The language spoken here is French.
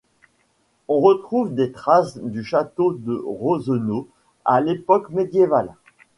On retrouve des traces du château de Rosenau à l'époque médiévale.